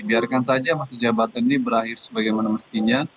biarkan saja masa jabatan ini berakhir sebagaimana mestinya